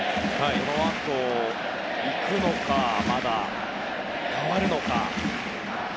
このあといくのか、代わるのか。